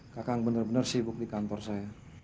kakang bener bener sibuk di kantor saya